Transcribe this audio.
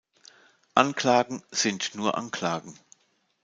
Anklagen sind nur Anklagen.